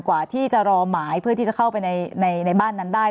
กว่าที่จะรอหมายเพื่อที่จะเข้าไปในบ้านนั้นได้